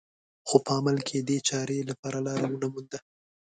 خو په عمل کې دې چارې لپاره لاره ونه مونده